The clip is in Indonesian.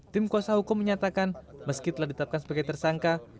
tim kuasa hukum menyatakan meski telah ditetapkan sebagai tersangka